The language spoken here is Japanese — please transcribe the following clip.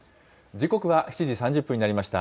時刻は７時３０分になりました。